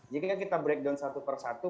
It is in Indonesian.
jadi kita break down satu per satu